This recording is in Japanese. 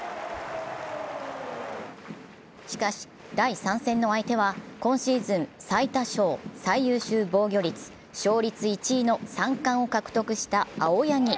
しかし、第３戦の相手は、今シーズン最多勝・最優秀防御率・勝率１位の三冠を獲得した青柳。